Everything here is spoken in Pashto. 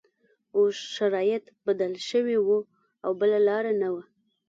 اوس شرایط بدل شوي وو او بله لاره نه وه